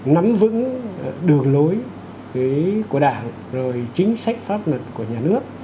nắm vững đường lối của đảng rồi chính sách pháp luật của nhà nước